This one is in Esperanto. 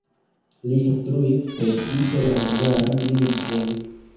Li instruis precipe la hungaran lingvon.